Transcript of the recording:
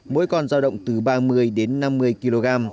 mỗi con giao động từ ba mươi đến năm mươi kg